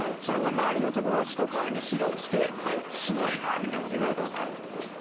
それを周りの友達とかに披露して「すごいな」みたいなこと言われたことあるってこと？